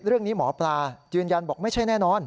เรื่องนี้หมอปลายันยันบอกไม่ใช่แน่นอน